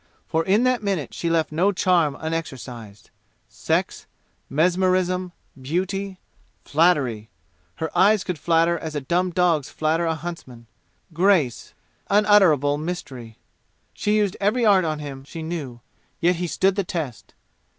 For in that minute she left no charm unexercised sex mesmerisrn beauty flattery (her eyes could flatter as a dumb dog's flatter a huntsman!) grace unutterable mystery she used every art on him she knew. Yet he stood the test.